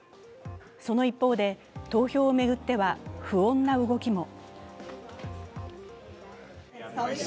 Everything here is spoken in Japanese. その一方で、投票を巡っては不穏な動きも。